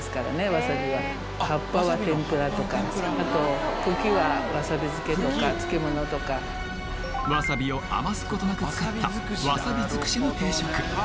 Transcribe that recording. わさびは葉っぱは天ぷらとかあと茎はわさび漬けとか漬物とかわさびを余すことなく使ったわさびづくしの定食